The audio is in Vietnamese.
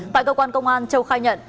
tại cơ quan công an châu khai nhận